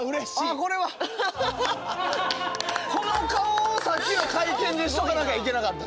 この顔をさっきの会見でしとかなきゃいけなかった。